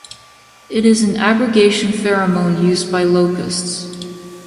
It is an aggregation pheromone used by locusts.